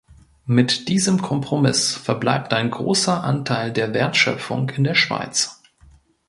Mit diesem Kompromiss verbleibt ein grosser Anteil der Wertschöpfung in der Schweiz.